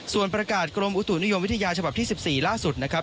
ส่วนประกาศกรมอุตุนิยมวิทยาฉบับที่๑๔ล่าสุดนะครับ